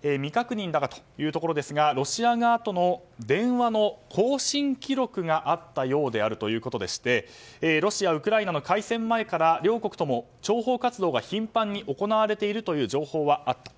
未確認だがというところですがロシア側との電話の交信記録があったようであるということでしてロシア、ウクライナの開戦前から両国とも諜報活動が頻繁に行われているという情報はあった。